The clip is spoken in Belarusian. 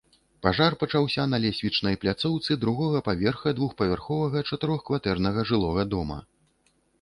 Пажар пачаўся на лесвічнай пляцоўцы другога паверха двухпавярховага чатырохкватэрнага жылога дома.